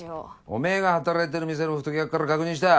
おめぇが働いてる店の太客から確認した。